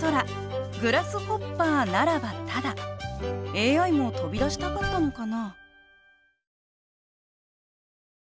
ＡＩも飛び出したかったのかな？